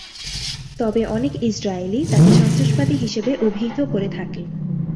তবে অনেক ইসরাইলী তাকে সন্ত্রাসবাদী হিসাবে অভিহিত করে থাকে।